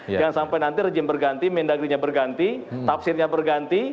jangan sampai nanti rejim berganti mendagrinya berganti tafsirnya berganti